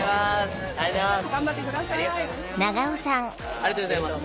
ありがとうございます。